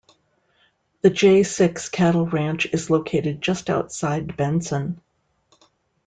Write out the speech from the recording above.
The Jay Six cattle ranch is located just outside Benson.